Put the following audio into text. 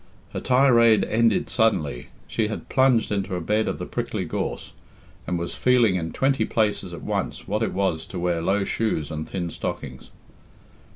Her tirade ended suddenly. She had plunged into a bed of the prickly gorse, and was feeling in twenty places at once what it was to wear low shoes and thin stockings.